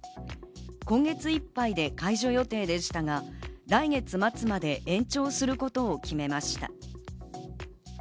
今月いっぱいで解除予定でしたが、来月末まで延長することを決めました。